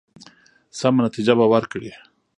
سمه نتیجه به ورکړي.